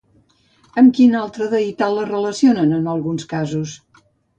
Amb quina altra deïtat la relacionen en alguns casos?